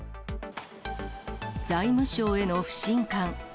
財務省への不信感。